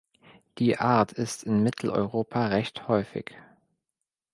Die Art ist in Mitteleuropa recht häufig.